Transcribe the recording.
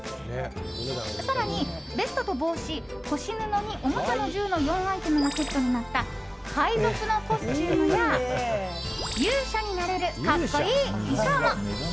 更に、ベストと帽子腰布に、おもちゃの銃の４アイテムがセットになった海賊のコスチュームや勇者になれる格好いい衣装も！